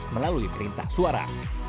melalui perintah suara